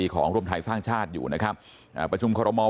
ของรวมไทยสร้างชาติอยู่นะครับประชุมคลพ์ประมวลวันนี้ภูมิสุข่าว